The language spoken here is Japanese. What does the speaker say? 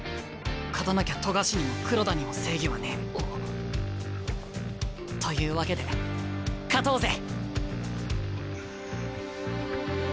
勝たなきゃ冨樫にも黒田にも正義はねえ。というわけで勝とうぜ！